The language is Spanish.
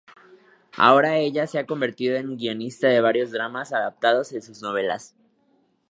Ahora ella se ha convertido en guionista de varios dramas adaptados en sus novelas.